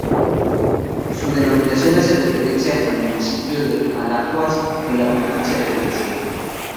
Su denominación hace referencia al municipio de Alacuás en la provincia de Valencia.